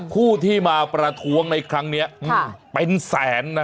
ผู้ที่มาประท้วงในครั้งนี้เป็นแสนนะ